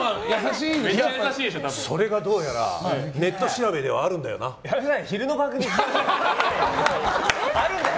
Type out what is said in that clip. それがどうやらネット調べではあるんだよな。